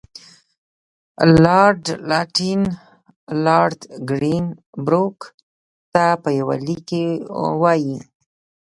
لارډ لیټن لارډ ګرین بروک ته په یوه لیک کې وایي.